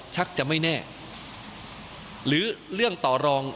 ชักจะไม่แน่หรือเรื่องต่อรอง